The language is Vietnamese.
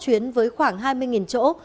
chuyến với khoảng hai mươi chỗ